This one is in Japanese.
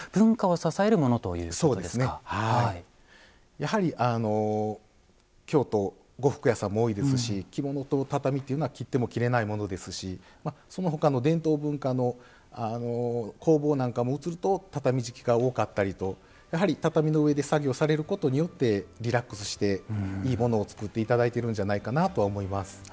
やはりあの京都呉服屋さんも多いですし着物と畳というのは切っても切れないものですしそのほかの伝統文化の工房なんかも映ると畳敷きが多かったりとやはり畳の上で作業されることによってリラックスしていいものを作って頂いてるんじゃないかなとは思います。